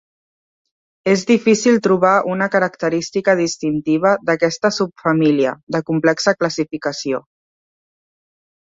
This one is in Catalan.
És difícil trobar una característica distintiva d'aquesta subfamília, de complexa classificació.